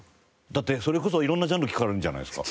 だってそれこそ色んなジャンル聴かれるんじゃないですか？